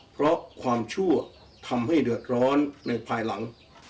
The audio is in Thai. เพราะความชั่วทำให้เดือดร้อนในภายหลัง